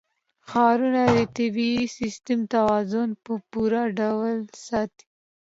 ښارونه د طبعي سیسټم توازن په پوره ډول ساتي.